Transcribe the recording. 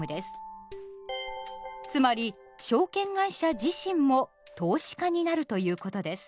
つまり証券会社自身も投資家になるということです。